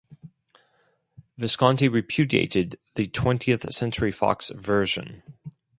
Visconti repudiated the Twentieth-Century Fox version.